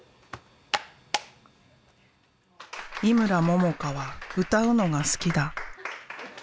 井村ももかは歌うのが好きだ。